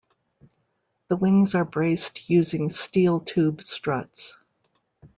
The wings are braced using steel-tube struts.